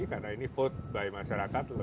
karena ini vote by masyarakat